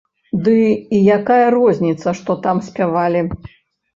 Ды і якая розніца, што там спявалі?